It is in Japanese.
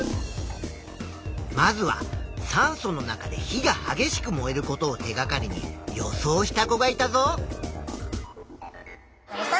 まずは酸素の中で火がはげしく燃えることを手がかりに予想した子がいたぞ。